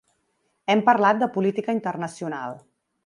Hem parlat de política internacional.